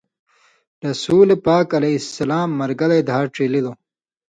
رسولِ پاک علیہ سلام مرگلئی دھا ڇیلِلوۡ؛